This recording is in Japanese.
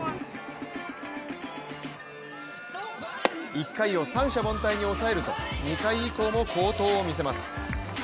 １回を三者凡退に抑えると２回以降も好投を見せます。